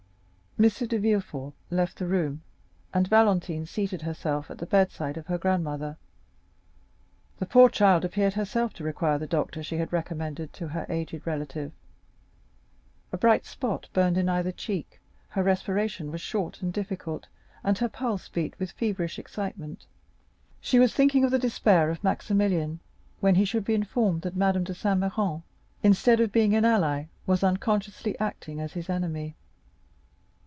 M. de Villefort left the room, and Valentine seated herself at the bedside of her grandmother. The poor child appeared herself to require the doctor she had recommended to her aged relative. A bright spot burned in either cheek, her respiration was short and difficult, and her pulse beat with feverish excitement. She was thinking of the despair of Maximilian, when he should be informed that Madame de Saint Méran, instead of being an ally, was unconsciously acting as his enemy.